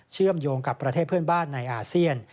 เชื่อมโยงกับประเทศเพื่อนบ้านในอาเซียน